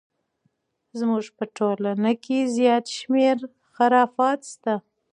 زموږ په ټولنه کې زیات شمیر خرافات شته!